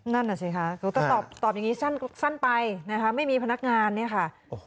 นั่นน่ะสิคะเขาก็ตอบอย่างนี้สั้นไปนะคะไม่มีพนักงานเนี่ยค่ะ